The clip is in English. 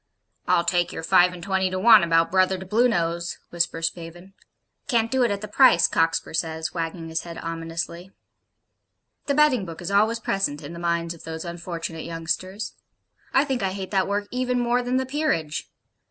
'I'll take your five and twenty to one about Brother to Bluenose,' whispers Spavin. 'Can't do it at the price,' Cockspur says, wagging his head ominously. The betting book is always present in the minds of those unfortunate youngsters. I think I hate that work even more than the 'Peerage.'